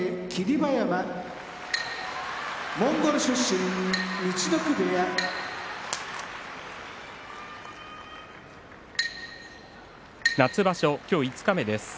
馬山モンゴル出身陸奥部屋夏場所五日目です。